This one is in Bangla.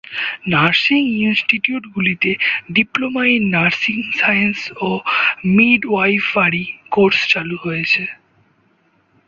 নার্সিং ইনিস্টিটিউটগুলিতে ডিপ্লোমা ইন নার্সিং সায়েন্স ও মিডওয়াইফারি কোর্স চালু রয়েছে।